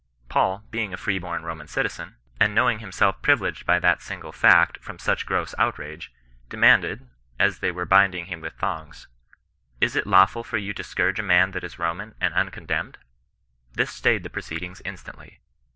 Paul, being a free bom Roman citizen, and knowing himself privileged by that single fact from such gross outrage, demanded, as they were binding him with thongs —" Is it lawful for you to scourge a man that is a Roman, and uncondemned ?" This stayed the proceedings instantly.